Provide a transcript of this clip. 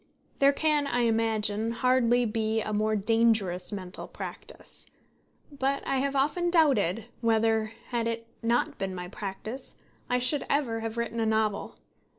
There can, I imagine, hardly be a more dangerous mental practice; but I have often doubted whether, had it not been my practice, I should ever have written a novel.